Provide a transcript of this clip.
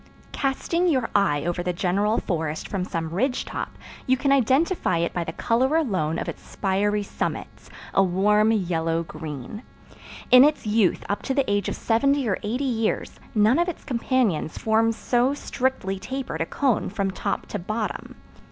Casting your eye over the general forest from some ridge top you can identify it by the color alone of its spiry summits, a warm yellow green. In its youth up to the age of seventy or eighty years, none of its companions forms so strictly tapered a cone from top to bottom.